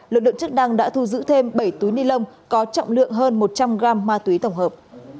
lực lượng chức năng đã thu giữ thêm bảy túi ni lông có trọng lượng hơn một trăm linh gram ma túy tổng hợp